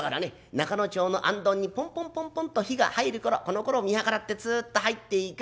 仲の町の行灯にポンポンポンポンと火が入る頃このころを見計らってつっと入っていく。